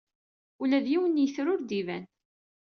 Ula d yiwen n yitri ur d-iban.